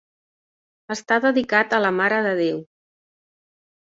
Està dedicat a la Mare de Déu.